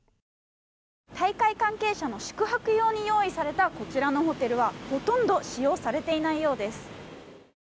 大会関係者の宿泊用に用意されたこちらのホテルはほとんど使用されていないようです。